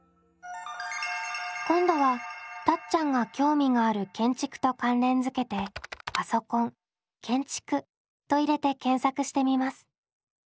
今度はたっちゃんが興味がある建築と関連付けて「パソコン建築」と入れて検索してみます。